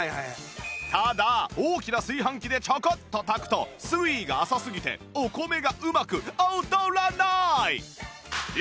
ただ大きな炊飯器でちょこっと炊くと水位が浅すぎてお米がうまく踊らなーい！